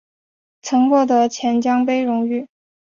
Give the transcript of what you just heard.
曾获得钱江杯荣誉。